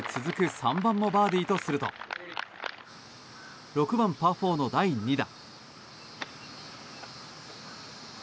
３番もバーディーとすると６番、パー４の第２打。